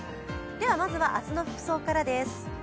まずは明日の服装からです。